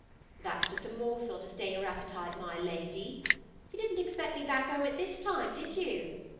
'That's just a morsel to stay your appetite, my lady! You didn't expect me back 'ome at this time, did you?